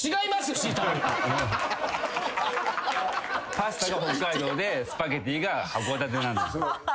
パスタが北海道でスパゲティが函館なんです。